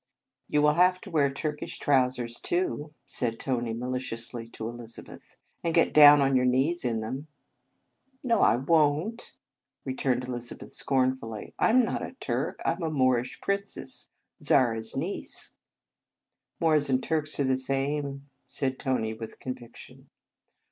"You will have to wear Turkish trousers, too," said Tony maliciously to Elizabeth; "and get down on your knees in them." " No, I won t," returned Elizabeth scornfully. " I m not a Turk. I m a Moorish princess, Zara s niece." " Moors and Turks are the same," said Tony with conviction.